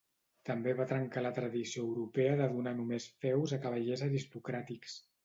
També va trencar la tradició europea de donar només feus a cavallers aristocràtics.